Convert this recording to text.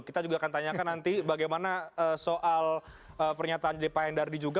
kita juga akan tanyakan nanti bagaimana soal pernyataan dari pak hendardi juga